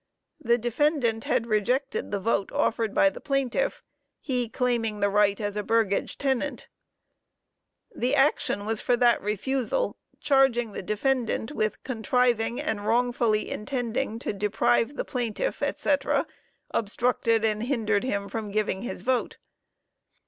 The defendant had rejected the vote offered by the plaintiff, he claiming the right as a burgage tenant. The action was for that refusal, charging the defendant with "contriving and wrongfully intending to deprive the plaintiff &c., obstructed and hindered him from giving his vote."